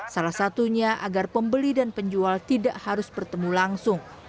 salah satunya agar pembeli dan penjual tidak harus bertemu langsung